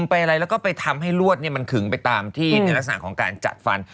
ไปอะไรแล้วก็ไปทำให้ลวดมันขึงไปตามที่ในลักษณะของการจัดฟัน